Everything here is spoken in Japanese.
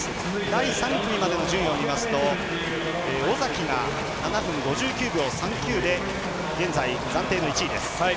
第３組までの順位を見ますと尾崎が７分５９秒３９で現在、暫定の１位。